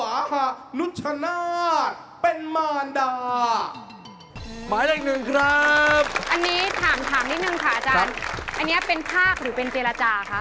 อันนี้เป็นภาคหรือเป็นเจรจาคะ